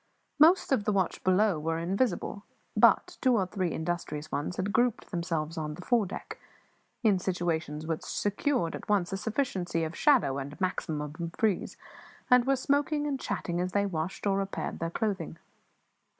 Most of the watch below were invisible; but two or three industrious ones had grouped themselves on the foredeck, in situations which secured at once a sufficiency of shadow and a maximum of breeze, and were smoking and chatting as they washed or repaired their clothing.